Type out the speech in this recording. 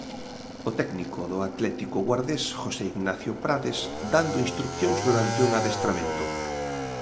O técnico do Atlético Guardés, José Ignacio Prades, dando instrucións durante un adestramento.